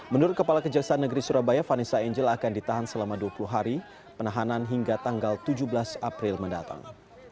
menurut kepala kejaksaan negeri surabaya vanessa angel akan ditahan selama dua puluh hari penahanan hingga tanggal tujuh belas april mendatang